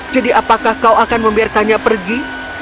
jadi apakah kau akan membiarkannya pergi